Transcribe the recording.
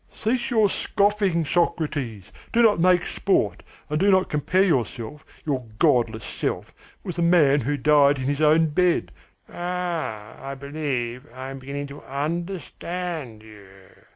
"Cease your scoffing, Socrates! Do not make sport, and do not compare yourself, your godless self, with a man who died in his own bed ". "Ah, I believe I am beginning to understand you.